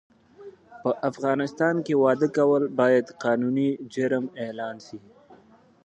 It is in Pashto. په افغانستان کې واده کول باید قانوني جرم اعلان سي